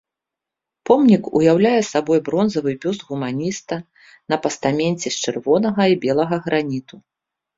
Помнік уяўляе сабой бронзавы бюст гуманіста на пастаменце з чырвонага і белага граніту.